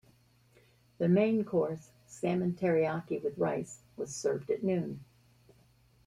The main course, salmon teriyaki with rice, was served at noon.